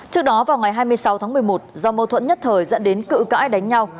trước đó vào ngày hai mươi sáu tháng một mươi một do mâu thuẫn nhất thời dẫn đến cự cãi đánh nhau